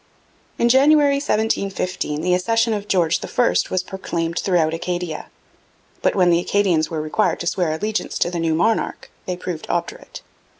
In January 1715 the accession of George I was proclaimed throughout Acadia. But when the Acadians were required to swear allegiance to the new monarch, they proved obdurate.